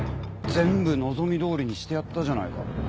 全部望みどおりにしてやったじゃないか。